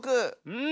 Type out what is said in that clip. うん。